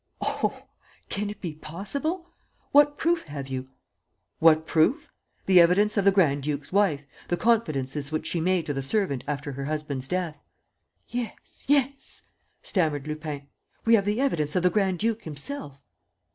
"Oh, can it be possible? What proof have you?" "What proof? The evidence of the grand duke's wife, the confidences which she made to the servant after her husband's death." "Yes ... yes ..." stammered Lupin. "We have the evidence of the grand duke himself."